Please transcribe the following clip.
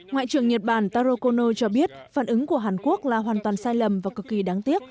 ngoại trưởng nhật bản taro kono cho biết phản ứng của hàn quốc là hoàn toàn sai lầm và cực kỳ đáng tiếc